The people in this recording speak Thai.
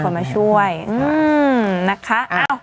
คนมาช่วยนะคะ